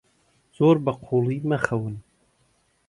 زۆر بەقووڵی مەخەون.